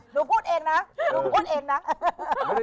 พูดเองนะหนูพูดเองนะ